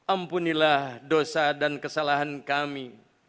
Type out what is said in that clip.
ampunilah dosa dan kesalahan kami